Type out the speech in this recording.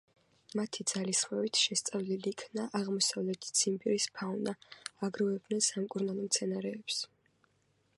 მათი ძალისხმევით შესწავლილი იქნა აღმოსავლეთი ციმბირის ფაუნა; აგროვებდნენ სამკურნალო მცენარეებს.